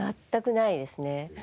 全くないですね。